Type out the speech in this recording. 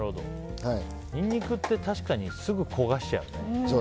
ニンニクって確かにすぐ焦がしちゃうよね。